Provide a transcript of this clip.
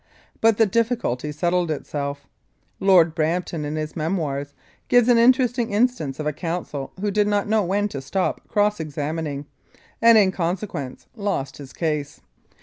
But the difficulty settled itself. Lord Brampton in his memoirs gives an interesting instance of a counsel who did not know when to stop cross examining, and in consequence lost his case.